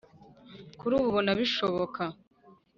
Kuri ubu ubona bishoboka